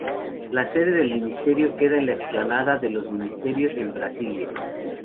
La sede del Ministerio queda en la Explanada de los Ministerios en Brasilia.